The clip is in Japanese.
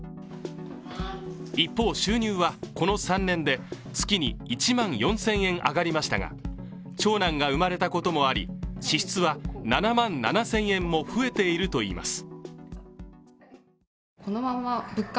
一方、収入はこの３年で月に１万４０００円上がりましたが長男が生まれたこともあり支出は７万７０００円も増えているといいます。